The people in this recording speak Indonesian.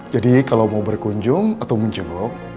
jadi kalau mau berkunjung atau menjemuk